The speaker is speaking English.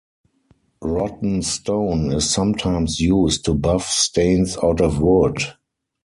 Rotten stone is sometimes used to buff stains out of wood.